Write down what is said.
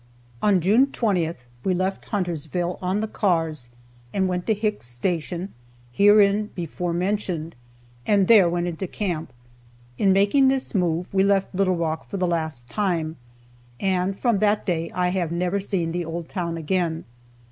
On June 20th we left Huntersville on the cars and went to Hicks' Station, hereinbefore mentioned, and there went into camp. In making this move, we left Little Rock for the last time, and from that day I have never seen the old town again.